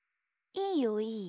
いいよいいよ。